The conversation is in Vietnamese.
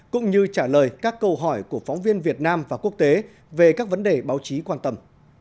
cũng như trả lời các câu hỏi của phóng viên việt nam và quốc tế về các vấn đề báo chí quan tâm